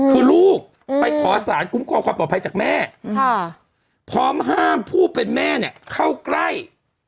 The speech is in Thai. คือลูกไปขอสารคุ้มครองความปลอดภัยจากแม่พร้อมห้ามผู้เป็นแม่เนี่ยเข้าใกล้